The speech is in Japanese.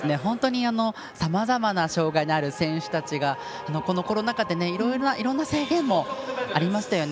さまざまな障がいのある選手たちがこのコロナ禍でいろいろな制限もありましたよね。